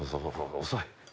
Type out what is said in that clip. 遅い！